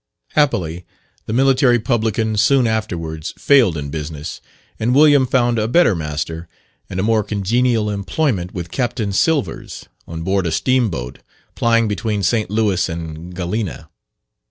Happily the military publican soon afterwards failed in business, and William found a better master and a more congenial employment with Captain Cilvers, on board a steam boat plying between St. Louis and Galena.